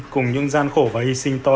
cùng những gian khổ và hy sinh to lớn